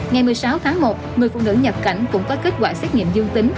ngày một mươi sáu tháng một người phụ nữ nhập cảnh cũng có kết quả xét nghiệm dương tính